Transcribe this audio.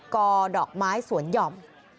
ดอกไม้สวนหย่อม